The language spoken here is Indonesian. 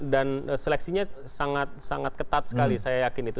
dan seleksinya sangat sangat ketat sekali saya yakin itu